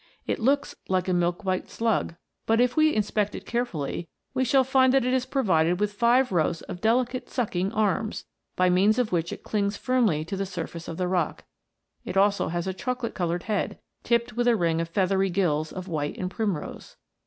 It looks like a milk white slug, but if we inspect it carefully, we shall find that it is provided with five rows of delicate sucking arms, by means of which it clings firmly to the surface of the rock. It also has a chocolate coloured head, tipped with a ring of feathery gills of white and primrose.